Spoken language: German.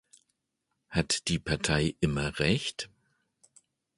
Hat die Partei immer Recht?